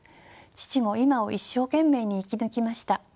父も今を一生懸命に生き抜きました。